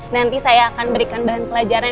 nanti saya akan berikan bahan pelajaran